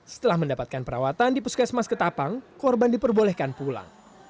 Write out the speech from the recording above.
setelah mendapatkan perawatan di puskesmas ketapang korban diperbolehkan pulang